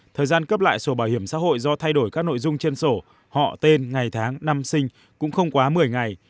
thời gian cấp lại sổ bảo hiểm xã hội do thay đổi các nội dung trên sổ họ tên ngày tháng năm sinh cũng không quá một mươi ngày